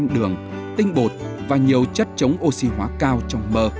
hai mươi bảy đường tinh bột và nhiều chất chống oxy hóa cao trong mơ